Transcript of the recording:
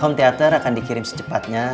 home teater akan dikirim secepatnya